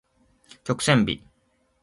曲線美